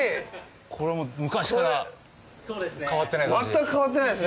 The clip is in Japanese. これ昔から変わってない感じ。